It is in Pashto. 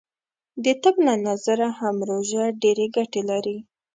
د طب له نظره هم روژه ډیرې ګټې لری .